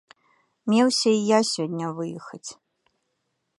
Меўся і я сёння выехаць.